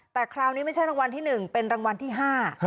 แต่คราวนี้ไม่ใช่รางวัลที่หนึ่งเป็นรางวัลที่ห้า